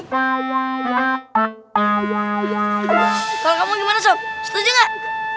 kalau kamu gimana sob setuju gak